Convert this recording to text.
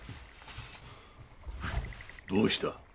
どうした？